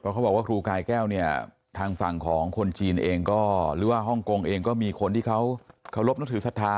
เพราะเขาบอกว่าครูกายแก้วเนี่ยทางฝั่งของคนจีนเองก็หรือว่าฮ่องกงเองก็มีคนที่เขาเคารพนับถือศรัทธา